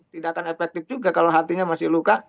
tidak akan efektif juga kalau hatinya masih luka